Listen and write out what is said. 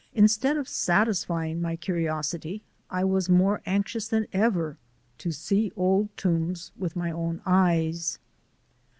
Instead of satisfying my curiosity I was more anxious than ever to see Old Toombs with my own eyes.